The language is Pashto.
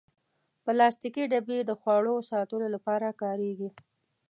پلاستيکي ډبې د خواړو ساتلو لپاره کارېږي.